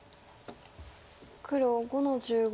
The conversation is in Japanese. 黒５の十五。